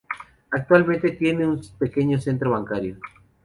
Actualmente tiene un pequeño centro bancario.